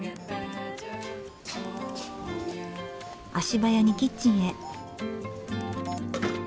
足早にキッチンへ。